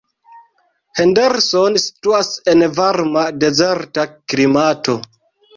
Henderson situas en varma dezerta klimato.